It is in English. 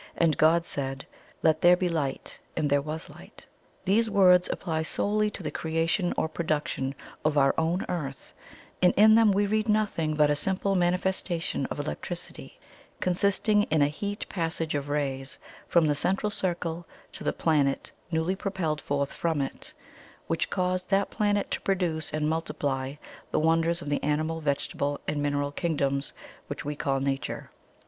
And God said, Let there be light. And there was light.' "These words apply SOLELY to the creation or production of OUR OWN EARTH, and in them we read nothing but a simple manifestation of electricity, consisting in a HEATING PASSAGE OF RAYS from the Central Circle to the planet newly propelled forth from it, which caused that planet to produce and multiply the wonders of the animal, vegetable, and mineral kingdoms which we call Nature.